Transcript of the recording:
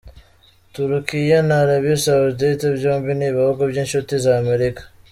Turukiya na Arabie Saoudite byombi ni ibihugu by'inshuti z'Amerika.